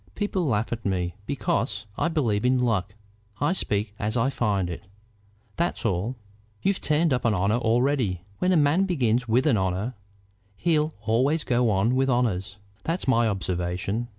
People laugh at me because I believe in luck. I speak as I find it; that's all. You've turned up an honor already. When a man begins with an honor he'll always go on with honors; that's my observation.